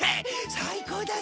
最高だぜ！